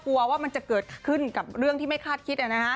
ว่ามันจะเกิดขึ้นกับเรื่องที่ไม่คาดคิด